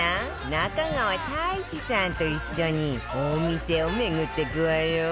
中川大志さんと一緒にお店を巡ってくわよ